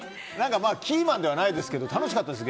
キーマンではないですけど楽しかったです。